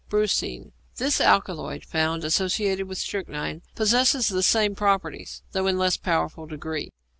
=Brucine.= This alkaloid, found associated with strychnine, possesses the same properties, though in a less powerful degree.